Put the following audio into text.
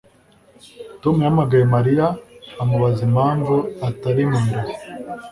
Tom yahamagaye Mariya amubaza impamvu atari mu birori